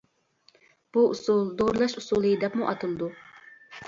بۇ ئۇسۇل «دورىلاش ئۇسۇلى» دەپمۇ ئاتىلىدۇ.